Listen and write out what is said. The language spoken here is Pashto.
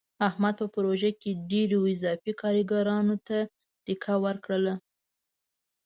احمد په پروژه کې ډېرو اضافي کارګرانو ته ډیکه ورکړله.